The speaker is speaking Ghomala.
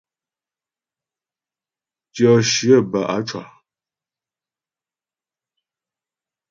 Tyɔ shyə bə á cwa.